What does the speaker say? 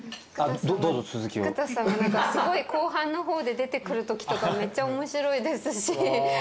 菊田さんがすごい後半の方で出てくるときとかめっちゃ面白いですし。